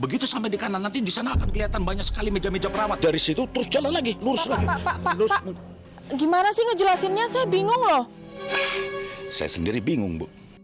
gimana kalau dia mati bang